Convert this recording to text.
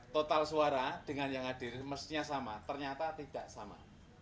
total suara dengan yang hadir mestinya sama ternyata tidak sama